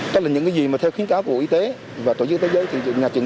đây là những cái gì mà theo khuyến cáo của bộ y tế và tổ chức thế giới thì nhà trường